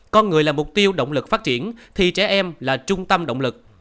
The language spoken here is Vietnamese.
con người là mục tiêu động lực phát triển thì trẻ em là trung tâm động lực